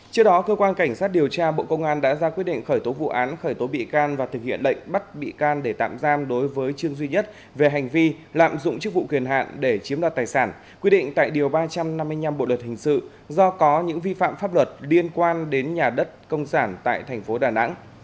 trước đó cơ quan cảnh sát điều tra bộ công an đã ra quyết định khởi tố vụ án khởi tố bị can và thực hiện lệnh bắt bị can để tạm giam đối với trương duy nhất về hành vi lạm dụng chức vụ quyền hạn để chiếm đoạt tài sản quy định tại điều ba trăm năm mươi năm bộ luật hình sự do có những vi phạm pháp luật liên quan đến nhà đất công sản tại thành phố đà nẵng